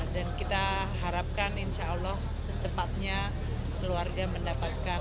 kita harapkan insya allah secepatnya keluarga mendapatkan